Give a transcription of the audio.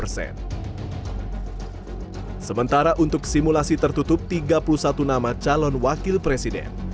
sementara untuk simulasi tertutup tiga puluh satu nama calon wakil presiden